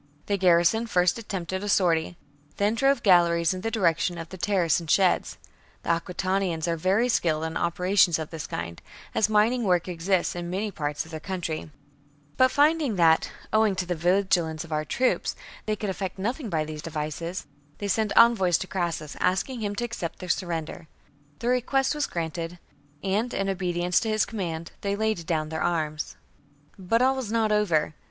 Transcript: The garrison first attempted a sortie, then drove galleries in the direction of the terrace and sheds (the Aquitanians are very skilled in operations of this kind, as mining works exist in many parts of their country) ; but finding that, owing to the vigilance of our troops, they could effect nothing by these devices, they sent envoys to Crassus, asking hina to accept their surrender. Their request was granted ; and, in obedience to his command, they laid down their arms. Fruitless 2 2. But all was not over.